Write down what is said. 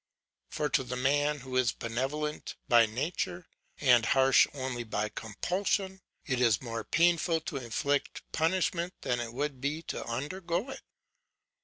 For to the man who is benevolent by nature, and harsh only by compulsion, it is more painful to inflict punishment than it would be to undergo it.